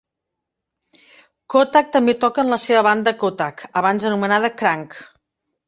Kottak també toca en la seva banda Kottak, abans anomenada Krunk.